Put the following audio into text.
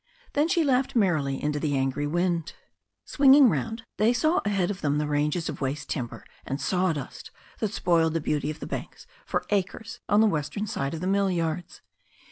Then she laughed merrily into the angry wind. Swinging round, they saw ahead of them the ranges of waste timber and sawdust that spoiled the beauty of the banks for acres on the western side of the mill yards.